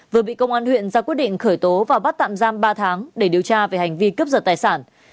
vừa bị công an huyện ra quyết định khởi tố và bắt tạm giam ba tháng để điều tra về hành vi cướp giật tài sản